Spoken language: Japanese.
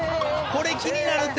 これ気になるって！」